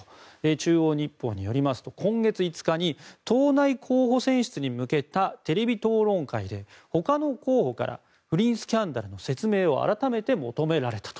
中央日報によりますと今月５日に党内候補選出に向けたテレビ討論会で他の候補から不倫スキャンダルの説明を改めて求められたと。